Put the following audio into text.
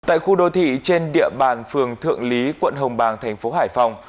tại khu đô thị trên địa bàn phường thượng lý quận hồng bàng thành phố hải phòng